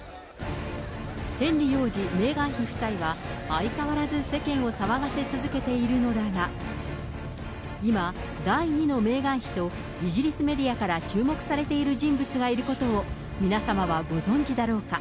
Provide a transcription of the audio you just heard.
ヘンリー王子、メーガン妃夫妻は、相変わらず世間を騒がせ続けているのだが、今、第２のメーガン妃とイギリスメディアから注目されている人物がいることを、皆様はご存じだろうか。